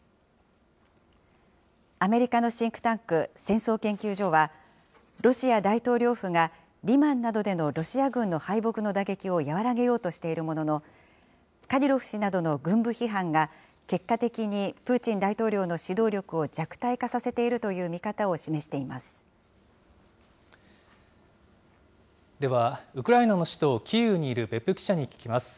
アメリカのシンクタンク、戦争研究所は、ロシア大統領府がリマンなどでのロシア軍の敗北の打撃を和らげようとしているものの、カディロフ氏などの軍部批判が、結果的にプーチン大統領の指導力を弱体化させているという見方をではウクライナの首都キーウにいる別府記者に聞きます。